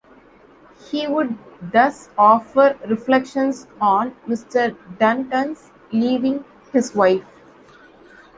He would thus offer Reflections on Mr. Dunton's leaving his wife.